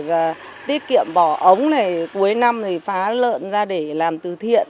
và tiết kiệm bỏ ống này cuối năm thì phá lợn ra để làm từ thiện